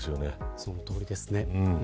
そのとおりですね。